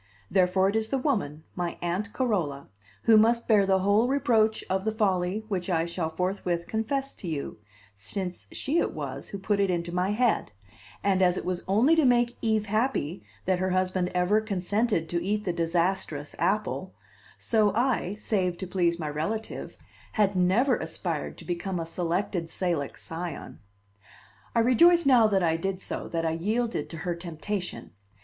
Therefore it is the woman, my Aunt Carola, who must bear the whole reproach of the folly which I shall forthwith confess to you, since she it was who put it into my head; and, as it was only to make Eve happy that her husband ever consented to eat the disastrous apple, so I, save to please my relative, had never aspired to become a Selected Salic Scion. I rejoice now that I did so, that I yielded to her temptation.